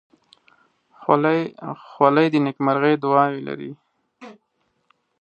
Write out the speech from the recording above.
خولۍ د نیکمرغۍ دعاوې لري.